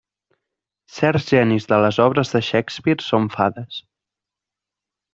Certs genis de les obres de Shakespeare són fades.